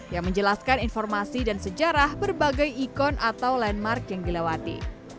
yang menjelaskan informasi dan sejarah berbagai ikon atau landmark yang dilewati